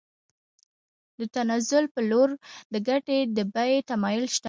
د تنزل په لور د ګټې د بیې تمایل شته